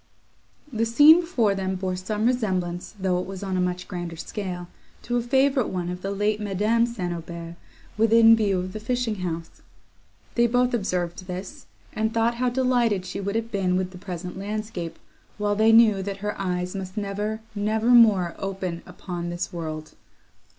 The scene before them bore some resemblance, though it was on a much grander scale, to a favourite one of the late Madame St. Aubert, within view of the fishing house. They both observed this, and thought how delighted she would have been with the present landscape, while they knew that her eyes must never, never more open upon this world.